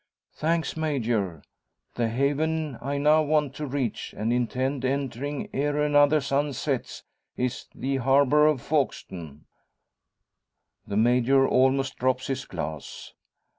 "Thanks, Major! The haven I now want to reach, and intend entering ere another sun sets, is the harbour of Folkestone." The Major almost drops his glass.